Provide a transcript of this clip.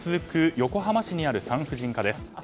横浜市にある産婦人科です。